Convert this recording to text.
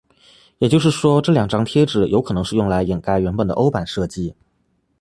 也就是说这两张贴纸有可能是用来掩盖原本的欧版设计。